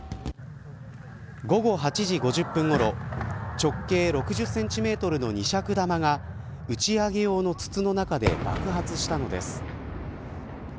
午後８時５０分ごろ直径６０センチメートルの２尺玉が打ち上げ用の筒の中で爆発したのです。